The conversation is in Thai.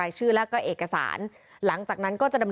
ทางคุณชัยธวัดก็บอกว่าการยื่นเรื่องแก้ไขมาตรวจสองเจน